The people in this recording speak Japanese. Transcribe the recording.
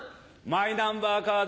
マイナンバーカード